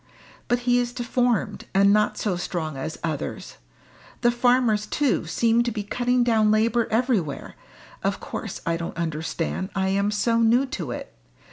But he is deformed, and not so strong as others. The farmers too seem to be cutting down labour everywhere of course I don't understand I am so new to it.